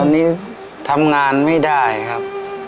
ตอนนี้ทำงานไม่ได้ครับ